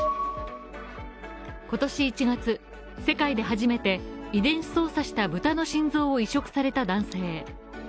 今年１月、世界で初めて遺伝子操作したブタの心臓を移植された男性。